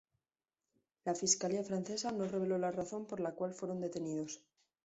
La fiscalía francesa no reveló la razón por la cual fueron detenidos.